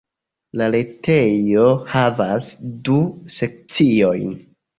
La retejo havas du sekciojn.